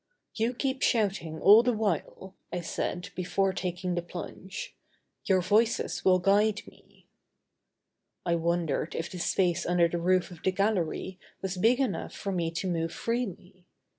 "You keep shouting all the while," I said, before taking the plunge; "your voices will guide me." I wondered if the space under the roof of the gallery was big enough for me to move freely.